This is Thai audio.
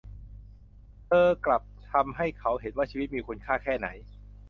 เธอกลับทำให้เขาเห็นว่าชีวิตมีคุณค่าแค่ไหน